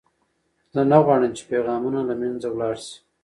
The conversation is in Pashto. زه نه غواړم چې پیغامونه له منځه ولاړ شي.